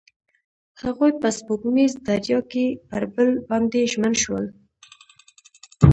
هغوی په سپوږمیز دریا کې پر بل باندې ژمن شول.